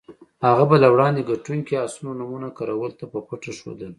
هغه به له وړاندې ګټونکو اسونو نومونه کراول ته په پټه ښودل.